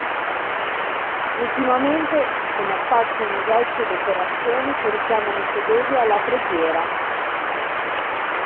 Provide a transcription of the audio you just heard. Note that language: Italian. Ultimamente, sono apparsi mosaici e decorazioni che richiamano i fedeli alla preghiera.